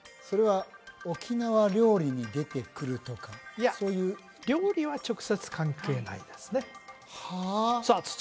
それは沖縄料理に出てくるとかそういう料理は直接関係ないですねさあ